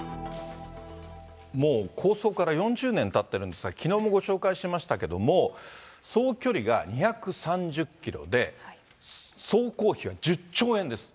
もう構想から４０年たってるんですが、きのうもご紹介しましたけれども、総距離が２３０キロで、総工費は１０兆円です。